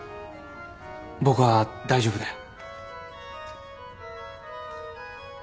僕は大丈夫だよ。